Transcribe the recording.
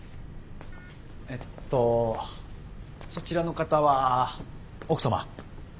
えっとそちらの方は奥様？